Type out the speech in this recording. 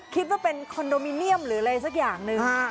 คิดว่าเป็นคอนโดมิเนียมหรืออะไรสักอย่างหนึ่ง